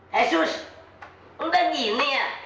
hey sus lu kan gini ya